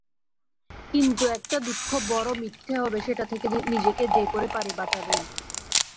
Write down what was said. কিন্তু একটা দুঃখ বড়ো মিথ্যে হবে, সেটা থেকে নিজেকে যে করে পারি বাঁচাবই।